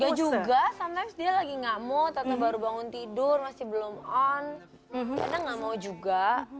ya juga sometimes dia lagi gak mau tata baru bangun tidur masih belum on kadang gak mau juga